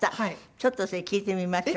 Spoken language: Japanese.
ちょっとそれ聴いてみましょう。